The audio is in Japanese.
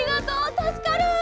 たすかる！